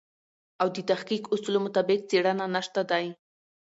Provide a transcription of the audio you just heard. او د تحقیق اصولو مطابق څېړنه نشته دی.